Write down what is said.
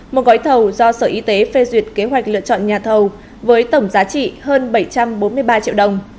một gói thầu do sở y tế phê duyệt kế hoạch lựa chọn nhà thầu với tổng giá trị hơn bảy trăm bốn mươi ba triệu đồng